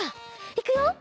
いくよ。